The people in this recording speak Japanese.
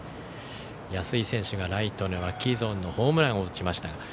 安井選手がライトのラッキーゾーンにホームランを打ちました。